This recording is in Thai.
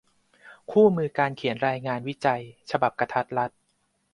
คู่มือการเขียนรายงาน วิจัย ฉบับกะทัดรัด